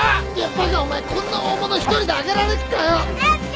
バカお前こんな大物一人であげられっかよ！